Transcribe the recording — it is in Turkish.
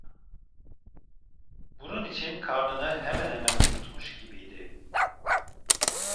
Bunun için karnını hemen hemen unutmuş gibiydi.